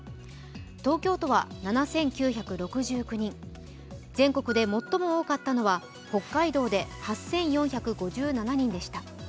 東京都は７９６９人、全国で最も多かったのは北海道で８４５７人でした。